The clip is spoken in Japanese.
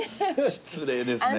失礼ですね。